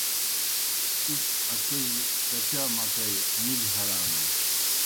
تُس اسوجیْ کچا مکئی مُلیْ ہرانوئے؟